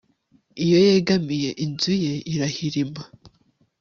iyo yegamiye inzu ye, irahirima